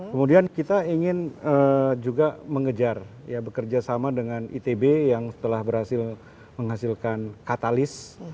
kemudian kita ingin juga mengejar ya bekerja sama dengan itb yang telah berhasil menghasilkan katalis